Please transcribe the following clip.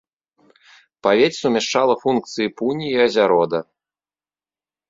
Павець сумяшчала функцыі пуні і азярода.